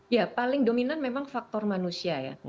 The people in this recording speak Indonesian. ya paling dominan memang faktor manusia ya